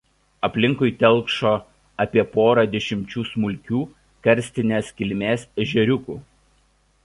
Aplinkui telkšo apie porą dešimčių smulkių karstinės kilmės ežeriukų.